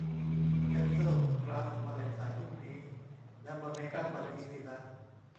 แคนเซิลคลาสวาเลนไทน์พรุ่งนี้ แล้วมาเมกอัพวันนี้สินะ